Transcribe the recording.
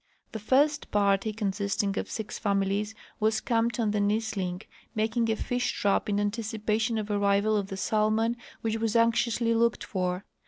The first party, consisting of six families, Avas camped on the Msling, making a fish trap in anticipation of arriA^al of the salmon, Avhich Avas anxiously looked for.